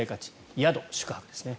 ヤド、宿泊ですね。